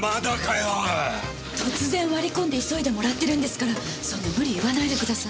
突然割りこんで急いでもらってるんですからそんな無理言わないでください。